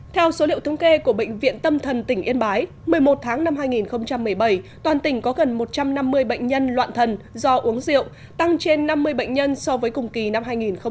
theo số liệu thống kê của bệnh viện tâm thần tỉnh yên bái một mươi một tháng năm hai nghìn một mươi bảy toàn tỉnh có gần một trăm năm mươi bệnh nhân loạn thần do uống rượu tăng trên năm mươi bệnh nhân so với cùng kỳ năm hai nghìn một mươi bảy